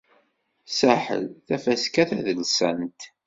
Saḥel, tafaska tadelsant.